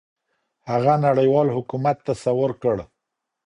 هغه نړيوال حکومت تصور کړ.